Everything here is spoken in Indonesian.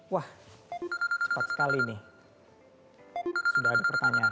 wah cepat sekali nih sudah ada pertanyaan